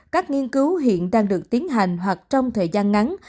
các nghiên cứu hiện đang được tiến hành hoặc trong thời gian ngắn